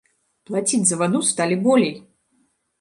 Плаціць за ваду сталі болей!